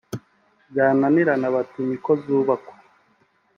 byananirana bati ‘ni ko zubakwa’